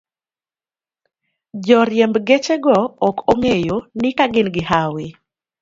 Joriemb gechego ok ong'eyo ni ka gin gi hawi